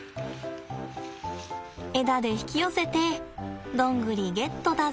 枝で引き寄せてドングリゲットだぜ。